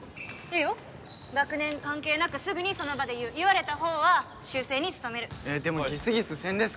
いいよ学年関係なくすぐにその場で言う言われた方は修正に努めるでもギスギスせんですかね？